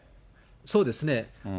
そうですね。